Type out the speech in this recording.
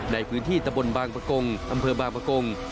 ในพื้นที่ตะบนบางประกงอำเภอบางประกง